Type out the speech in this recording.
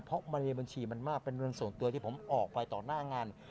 เพราะมาในบัญชีมันมากเป็นเงินส่วนตัวที่ผมออกไปต่อหน้างาน